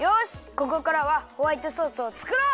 ここからはホワイトソースをつくろう！